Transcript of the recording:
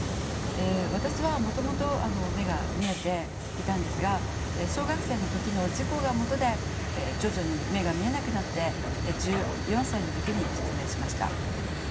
私はもともと目が見えていたんですが小学生の時の事故がもとで徐々に目が見えなくなって１４歳の時に失明しました。